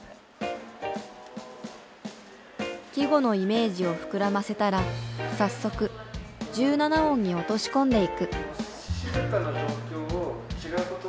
季語のイメージを膨らませたら早速１７音に落とし込んでいく。